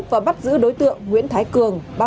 và bắt giữ đối tượng nguyễn thái cường